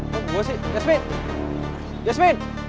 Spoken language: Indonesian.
gak ada gua sih yasmin yasmin